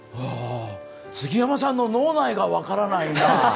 杉山さんの脳内が分からないな。